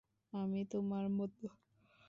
আমি তোমার মতো।